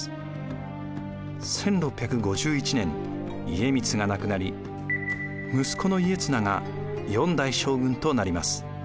１６５１年家光が亡くなり息子の家綱が４代将軍となります。